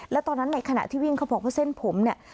แล้วตอนนั้นในขณะที่วิ่งเขาบอกว่าเส้นผมเนี่ย